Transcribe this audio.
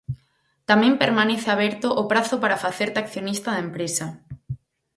Tamén permanece aberto o prazo para facerte accionista da empresa.